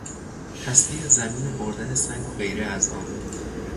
تسطیح زمین و بردن سنگ و غیره از آن